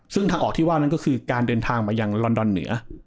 ซึ่งทางออกที่ว่านั้นก็คือการเดินทางมายังลอนดอนเหนือ